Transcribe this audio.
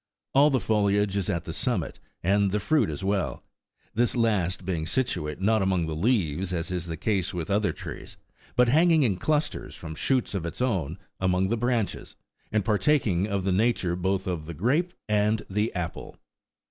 All the foliage is at the summit, and the fruit as well ; this last being situate, not among the leaves, as is the case with other trees, but hanging in clusters from shoots of its own among the branches, and partaking of the nature both of the grape and the apple.